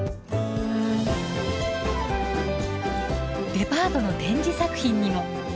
デパートの展示作品にも。